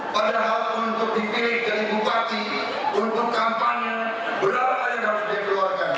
padahal untuk dipilih dari bupati untuk kampanye berapa yang harus dikeluarkan